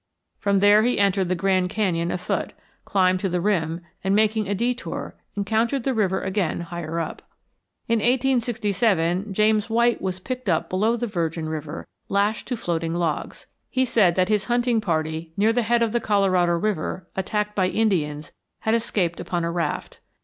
From there he entered the Grand Canyon afoot, climbed to the rim, and, making a detour, encountered the river again higher up. In 1867 James White was picked up below the Virgin River lashed to floating logs. He said that his hunting party near the head of the Colorado River, attacked by Indians, had escaped upon a raft.